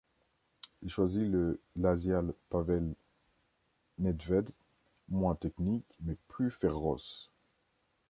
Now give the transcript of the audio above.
Il choisit le Laziale Pavel Nedvěd, moins technique mais plus féroce.